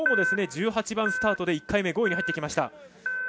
１８番スタートで１回目５位に入ってきました。